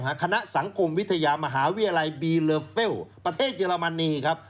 คณะสังคมวิทยามหาวิทยาลัยบีเลอเฟลประเทศเยอรมนีครับ